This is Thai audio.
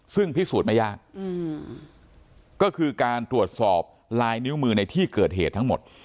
ซึ่งพิสูจน์ไม่ยากก็คือการตรวจสอบลายนิ้วมือในที่เกิดเหตุทั้งหมด